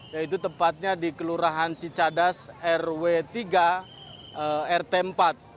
yaitu tepatnya di kelurahan cicadas rw tiga rt empat